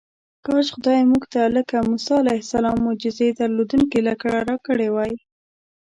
کاش خدای موږ ته لکه موسی علیه السلام معجزې درلودونکې لکړه راکړې وای.